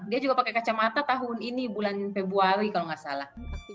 dia juga pakai kacamata tahun ini bulan februari kalau nggak salah